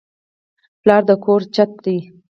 پلار د کور چت دی